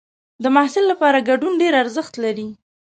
د محصل لپاره ګډون ډېر ارزښت لري.